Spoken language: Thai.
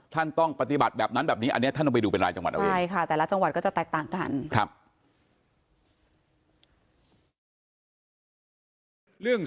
ท่านต้องปฏิบัติแบบนั้นแบบนี้อันนี้ท่านต้องไปดูเป็นรายจังหวัดเราเอง